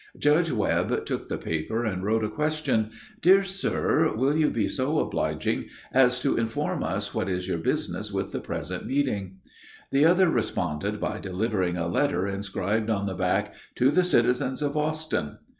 Judge Webb took the paper, and wrote a question: "Dear sir, will you be so obliging as to inform us what is your business with the present meeting?" The other responded by delivering a letter, inscribed on the back, "To the citizens of Austin."